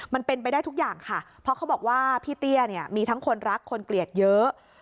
มันเป็นไปได้ทุกอย่างค่ะเพราะเขาบอกว่าพี่เตี้ยเนี่ยมีทั้งคนรักคนเกลียดเยอะ